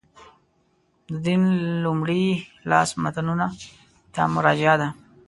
د دین لومړي لاس متنونو ته مراجعه ده.